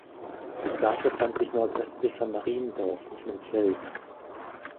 Das Grab befand sich nordöstlich von Mariendorf auf einem Feld.